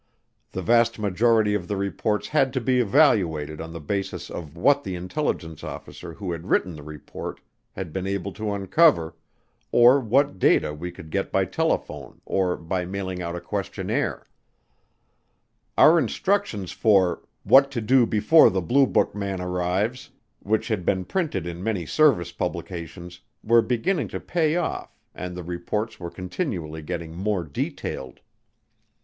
The vast majority of the reports had to be evaluated on the basis of what the intelligence officer who had written the report had been able to uncover, or what data we could get by telephone or by mailing out a questionnaire. Our instructions for "what to do before the Blue Book man arrives," which had been printed in many service publications, were beginning to pay off and the reports were continually getting more detailed.